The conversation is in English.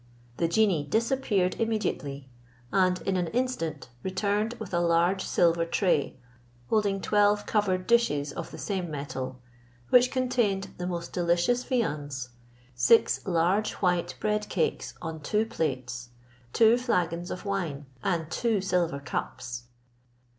The genie disappeared immediately, and in an instant returned with a large silver tray, holding twelve covered dishes of the same metal, which contained the most delicious viands; six large white bread cakes on two plates, two flagons of wine, and two silver cups.